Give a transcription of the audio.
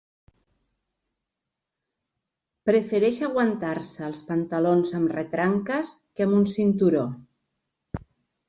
Prefereix aguantar-se els pantalons amb retranques que amb un cinturó